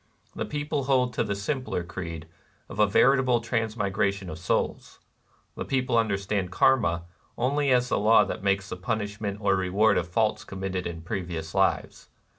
The people hold to the simpler creed of a veritable transmigration of souls. The people understand Karma only as the law that makes the punishment or reward of faults committed in previous lives.